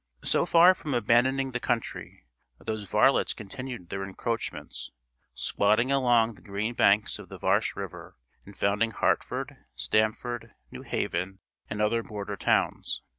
So far from abandoning the country, those varlets continued their encroachments, squatting along the green banks of the Varsche river, and founding Hartford, Stamford, New Haven, and other border towns.